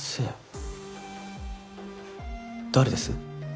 誰です？